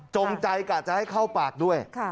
จงใจกะจะให้เข้าปากด้วย